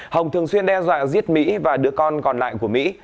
hồng thường xuyên đe dọa giết mỹ và đứa con còn lại của mỹ